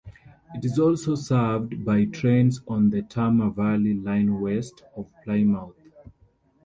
It is also served by trains on the Tamar Valley Line west of Plymouth.